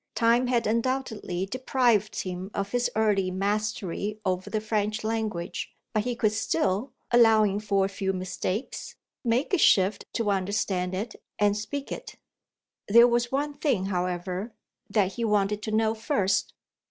Time had undoubtedly deprived him of his early mastery over the French language; but he could still (allowing for a few mistakes) make a shift to understand it and speak it. There was one thing, however, that he wanted to know first.